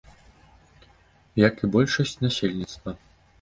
Як і большасць насельніцтва.